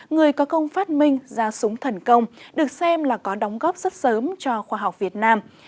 người có công phát minh ra súng thần công được xem là có đóng góp rất sớm cho khoa học việt nam